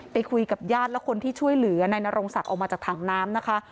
คุยกับญาติและคนที่ช่วยเหลือนายนรงศักดิ์ออกมาจากถังน้ำนะคะ